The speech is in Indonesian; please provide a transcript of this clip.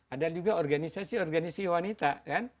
ada juga organisasi organisi wanita